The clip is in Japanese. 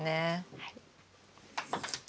はい。